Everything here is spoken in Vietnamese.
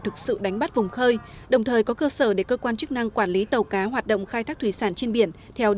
thực sự đánh bắt vùng khơi đồng thời có cơ sở để cơ quan chức năng quản lý tàu cá hoạt động khai thác thủy sản